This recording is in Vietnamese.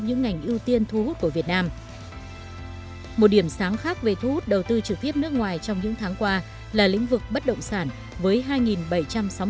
những trường hợp và trường hợp việt nam